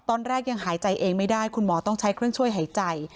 ตอนแรกยังหายใจเองไม่ได้คุณหมอต้องใช้เครื่องช่วยหายใจ